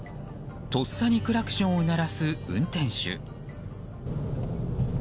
とっさにクラクションを鳴らす運転手。